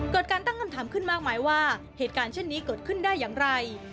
เกิดการตั้งคำถามขึ้นมากมายว่าเหตุการณ์เช่นนี้เกิดขึ้นได้อย่างไร